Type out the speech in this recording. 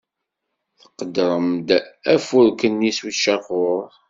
Tqeddrem-d afurk-nni s ucaqur.